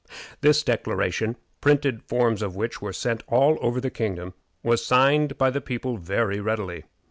This declaration, printed forms of which were sent all over the kingdom, was signed by the people very readily.